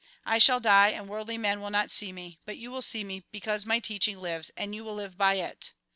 I shall die, and worldly men will not see me ; but you will see me, because my teaching lives and you will live by it.